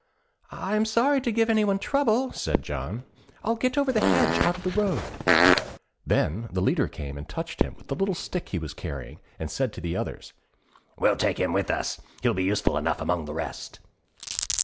'I am sorry to give anyone trouble,' said John; 'I'll get over the hedge out of the road.' Then the leader came and touched him with the little stick he was carrying, and said to the others: 'We'll take him with us; he'll be useful enough among the rest.'